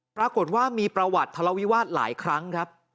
ปรากฏว่ามีประวัติทะเลาวิวาสหลายครั้งครับ